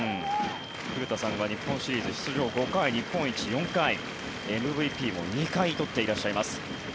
古田さんは日本シリーズ出場５回日本一４回ＭＶＰも２回取っていらっしゃいます。